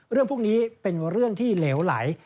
เรื่องพวกนี้เป็นเรื่องที่เหลวไหล